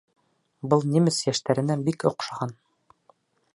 Был немец йәштәренә бик оҡшаған.